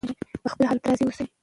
په خپل حالت راضي اوسئ.